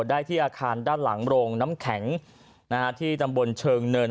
ได้ที่อาคารด้านหลังโรงน้ำแข็งที่ตำบลเชิงเนิน